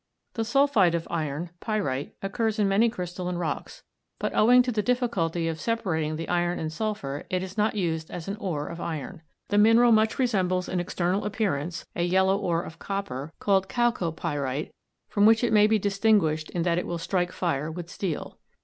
The sulphide of iron, pyrite, occurs in many crystalline rocks; but, owing to the difficulty of separating the iron and sulphur, is not used as an ore of iron. The mineral much resembles in external appearance a yellow ore of copper, called chalcopyrite, from which it may be distinguished in that it will strike fire with steel.